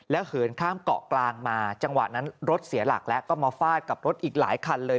เหินข้ามเกาะกลางมาจังหวะนั้นรถเสียหลักแล้วก็มาฟาดกับรถอีกหลายคันเลย